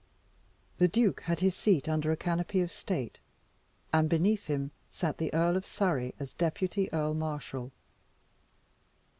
The duke had his seat under a canopy of state, and beneath him sat the Earl of Surrey as deputy earl marshal.